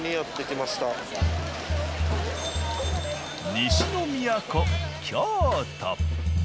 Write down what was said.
西の都京都。